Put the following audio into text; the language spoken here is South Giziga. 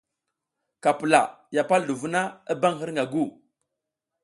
Ka pula, ya pal ɗu vuna i bam hirƞga gu.